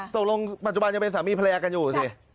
ตกลงปัจจุบันยังเป็นสามีภรรยากันอยู่สิ